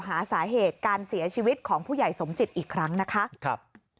หาสาเหตุการเสียชีวิตของผู้ใหญ่สมจิตอีกครั้งนะคะ